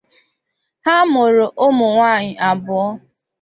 Ha mụrụ ụmụ nwanyị abụọ.